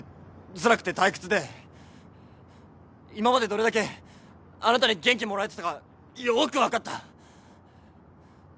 今までどれだけあなたに元気もらえてたかよく分かった。